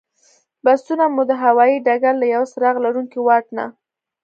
بسونه مو د هوایي ډګر له یوه څراغ لرونکي واټ نه.